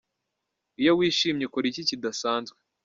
Iyo wishimye ukora iki kidasanzwe?.